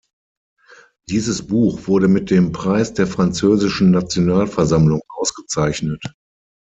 Dieses Buch wurde mit dem Preis der französischen Nationalversammlung ausgezeichnet.